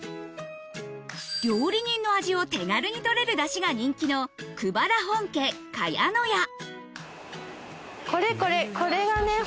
料理人の味を手軽に取れるダシが人気のこれこれ。